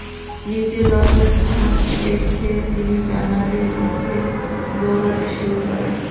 নিজের লজ্জাস্থান দেখে তিনি জান্নাতের মধ্যে দৌড়াতে শুরু করেন।